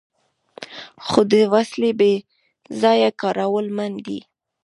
خو د وسلې بې ځایه کارول منع دي.